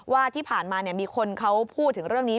ว่าที่ผ่านมามีคนเขาพูดถึงเรื่องนี้